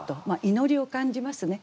祈りを感じますね。